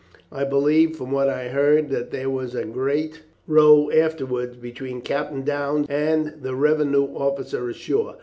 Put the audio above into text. I believe, from what I have heard, that there was a great row afterwards between Captain Downes and the revenue officer ashore.